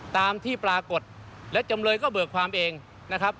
ตามที่ปรากฏและจำเลยก็เบิกความเองนะครับ